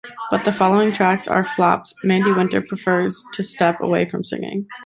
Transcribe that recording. But the following tracks are flops, Mandy Winter prefers to step away from singing.